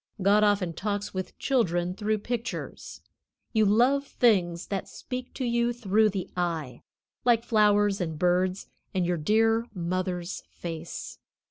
God often talks with children through pictures. You love things that speak to you through the eye, like flowers and birds, and your dear mother's face.